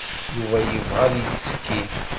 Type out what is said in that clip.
Yuba yebɣa ad yettekki.